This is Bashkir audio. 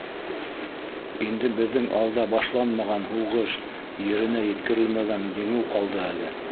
Инде беҙҙең алда башланмаған Һуғыш, еренә еткерелмәгән еңеү ҡалды әле.